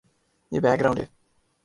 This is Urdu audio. یہ بیک گراؤنڈ ہے۔